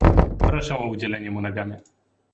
Proszę o udzielenie mu nagany